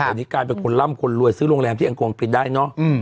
อันนี้กลายเป็นคนล่ำคนรวยซื้อโรงแรมที่แองกวงปิดได้เนอะ